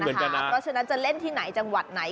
เพราะฉะนั้นจะเล่นที่ไหนจังหวัดไหน